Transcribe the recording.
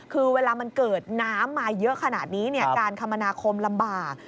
คือเวลามันเกิดน้ำมาเยอะขนาดนี้การคมนาคมลำบาก